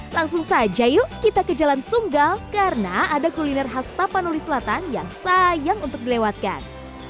langsung saja yuk kita ke jalan sunggal karena ada kuliner khas tapanuli selatan yang sayang untuk dilewatkan